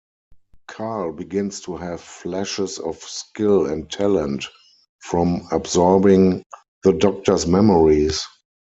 Karl begins to have flashes of skill and talent from absorbing the doctor's memories.